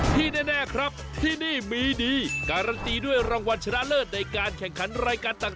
ที่แน่ครับที่นี่มีดีการันตีด้วยรางวัลชนะเลิศในการแข่งขันรายการต่าง